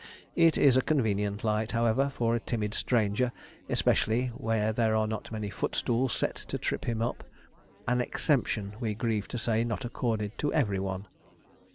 It is a convenient light, however, for a timid stranger, especially where there are not many footstools set to trip him up an exemption, we grieve to say, not accorded to every one.